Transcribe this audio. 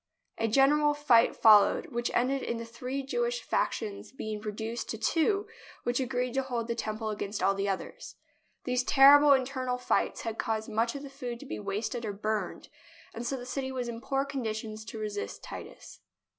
A general fight fol lowed, which ended in the three Jewish factions be ing reduced to two which agreed to hold the Tem ple against all others. These terrible internal fights had caused much of the food to be wasted or burned, and so the city was in poor condition to resist Titus.